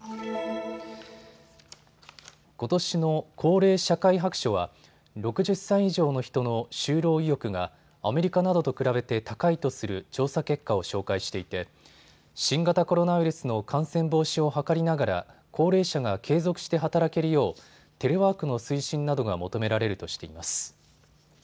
ことしの高齢社会白書は６０歳以上の人の就労意欲がアメリカなどと比べて高いとする調査結果を紹介していて新型コロナウイルスの感染防止を図りながら高齢者が継続して働けるようテレワークの推進などが求められるとしています。